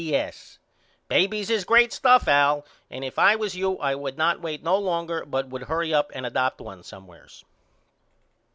P.S. Babys is great stuff Al and if I was you I would not wait no longer but would hurry up and adopt 1 somewheres.